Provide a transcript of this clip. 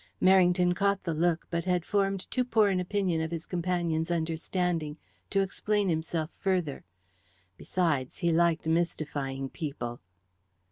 Merrington caught the look, but had formed too poor an opinion of his companion's understanding to explain himself further. Besides, he liked mystifying people.